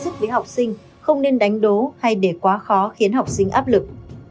sức với học sinh không nên đánh đố hay để quá khó khiến học sinh áp lực